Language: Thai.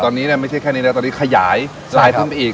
ตอนนี้ไม่ใช่แค่นี้แล้วตอนนี้ขยายลายขึ้นไปอีก